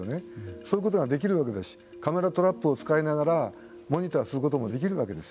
そういうことができるわけですしカメラトラップを使いながらモニターすることもできるわけです。